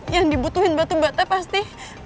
yang dibutuhin batu bata pasti